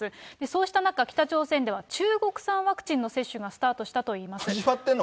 そうした中、北朝鮮では中国産ワクチンの接種がスタートしたといいます。